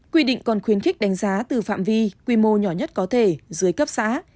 quy định còn khuyến khích đánh giá từ phạm vi quy mô nhỏ nhất có thể dưới cấp xã